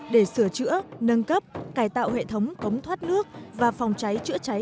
để sửa chữa nâng cấp cải tạo hệ thống cống thoát nước và phòng cháy chữa cháy